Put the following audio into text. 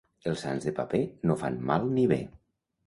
Els sants de paper no fan mal ni bé.